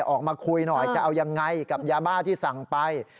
ออกมาคุยหน่อยจะเอายังไงกับยาบ้าที่สั่งไป